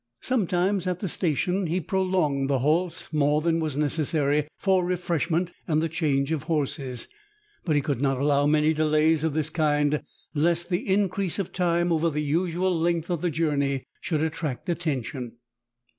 Sometimes at the station he prolonged the halts more than was necessary for refreshment and the change of horses, but he could not allow man}^ delays of this kind lest the increase of time over the usual length of the journey should attract attention.